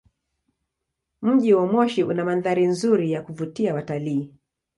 Mji wa Moshi una mandhari nzuri ya kuvutia watalii.